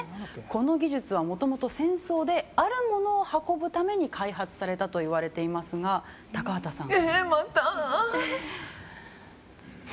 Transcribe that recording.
この技術はもともと戦争であるものを運ぶために開発されたといわれていますが高畑さん。